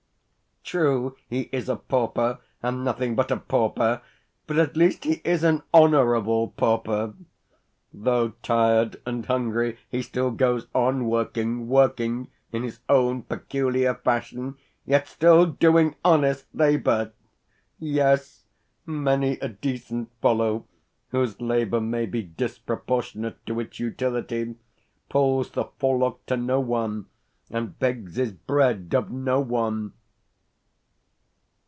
True, he is a pauper, and nothing but a pauper; but, at least he is an HONOURABLE pauper. Though tired and hungry, he still goes on working working in his own peculiar fashion, yet still doing honest labour. Yes, many a decent fellow whose labour may be disproportionate to its utility pulls the forelock to no one, and begs his bread of no one.